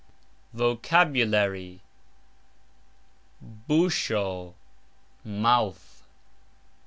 VOCABULARY. busxo : mouth.